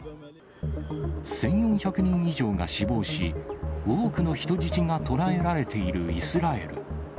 １４００人以上が死亡し、多くの人質が捕らえられているイスラエル。